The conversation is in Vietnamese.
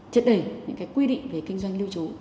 chất đầy những quy định về kinh doanh lưu trú